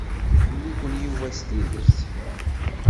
Iḥemmel-iken Yuba s tidet.